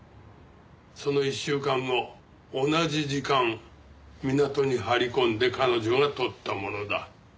その１週間後同じ時間港に張り込んで彼女が撮ったものだ。